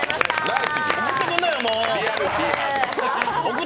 送ってくんなよ、もう！